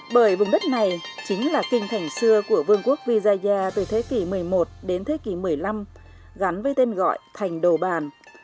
bởi vùng đất này chính là kinh thành xưa của vương quốc visaya từ thế kỷ một mươi một đến thế kỷ một mươi năm gắn với tên gọi thành đồ bàn